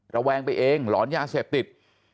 แวงไปเองหลอนยาเสพติด